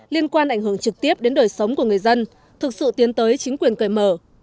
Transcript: liên quan ảnh hưởng trực tiếp đến đời sống của người dân thực sự tiến tới chính quyền cởi mở